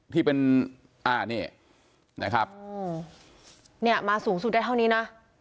ที่เป็นนะครับนี่มาสูงสุดได้เท่านี้นะ